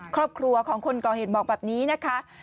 ครอบครัวของคนก่อเหตุบอกแบบนี้นะคะ